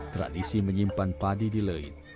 tradisi menyimpan padi di leit